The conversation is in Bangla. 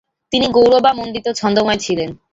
তিনি গৌরবামণ্ডিত ছন্দময় ছিলেন।